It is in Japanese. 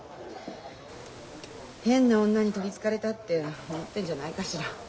変な女にとりつかれたって思ってんじゃないかしら。